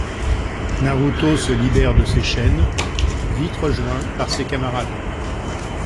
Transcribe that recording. Naruto se libère de ses chaînes, vite rejoints par ses camarades.